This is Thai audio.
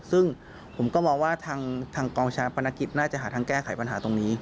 ซึ่งผมก็มองว่าทางกองชาปนกิจน่าจะหาทางแก้ไขปัญหาตรงนี้